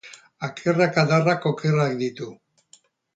Akerrak adarrak okerrak ditu.